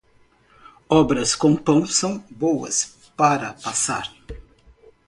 Obras com pão são boas para passar.